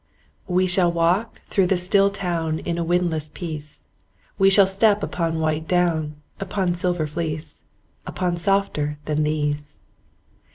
We shall walk through the still town In a windless peace; We shall step upon white down, Upon silver fleece, Upon softer than these.